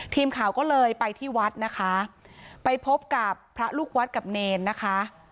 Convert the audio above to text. ทีมข่าวก็เลยไปที่วัดนะคะไปพบกับพระลูกวัดกับเนรนะคะ